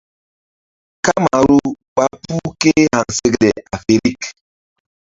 Kamaru ɓa puh ké haŋsekle afirik.